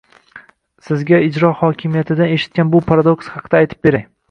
Sizga ijro hokimiyatidan eshitgan bu paradoks haqida aytib beray